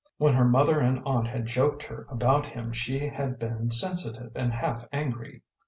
When her mother and aunt had joked her about him she had been sensitive and half angry.